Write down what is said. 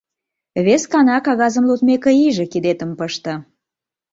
Вескана кагазым лудмек иже, кидетым пыште...